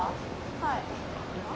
はい。